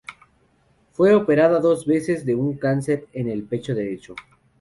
Fue operada dos veces de un cáncer en el pecho derecho.